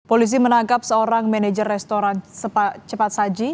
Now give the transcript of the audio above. polisi menangkap seorang manajer restoran cepat saji